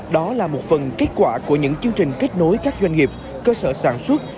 đó là một phần kết quả của những chương trình kết nối các doanh nghiệp cơ sở sản xuất